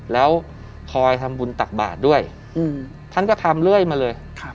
แล้วคอยทำบุญตักบาทด้วยท่านก็ทำเรื่อยมาเลย